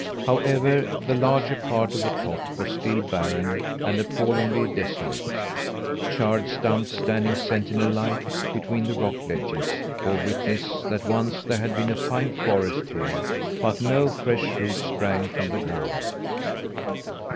However, the larger part of the top was still barren and appallingly desolate. Charred stumps, standing sentinel like between the rock ledges, bore witness that once there had been a fine forest here; but no fresh roots sprang from the ground.